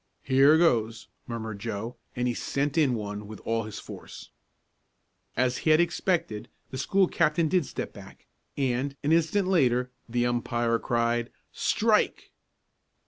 "Here goes!" murmured Joe, and he sent in one with all his force. As he had expected, the school captain did step back, and, an instant later, the umpire cried: "Strike!"